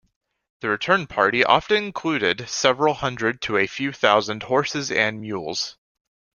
The return party often included several hundred to a few thousand horses and mules.